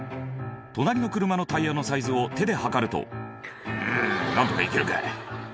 隣の車のタイヤのサイズを手で測ると「うん何とか行けるか」